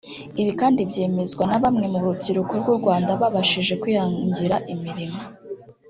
Ibi kandi byemezwa na bamwe mu rubyiruko rw’u Rwanda babashije kwihangira imirimo